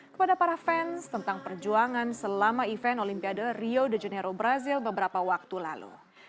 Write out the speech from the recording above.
kepada para fans tentang perjuangan selama event olimpiade rio de janeiro brazil beberapa waktu lalu